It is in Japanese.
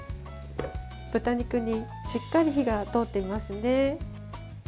豚肉にしっかり火が通っていますね。